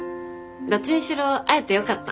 どっちにしろ会えてよかった。